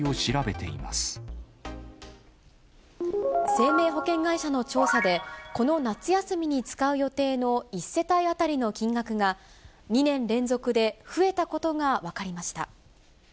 生命保険会社の調査で、この夏休みに使う予定の１世帯当たりの金額が、２年連続で増えたことが分かりました。